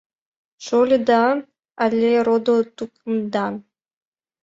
— Шольыда, але родо-тукымдан?